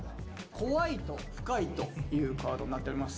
「怖い」と「深い」というカードになっております。